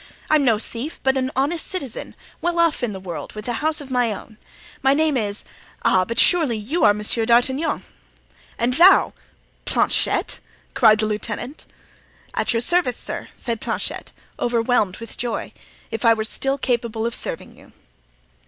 I'm no thief, but an honest citizen, well off in the world, with a house of my own. My name is—ah! but surely you are Monsieur d'Artagnan?" "And thou—Planchet!" cried the lieutenant. "At your service, sir," said Planchet, overwhelmed with joy; "if I were still capable of serving you."